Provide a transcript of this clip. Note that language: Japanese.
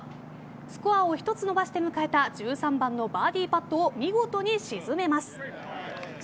スコアを１つ伸ばして迎えた１３番のバーディーパットを見事に沈めます。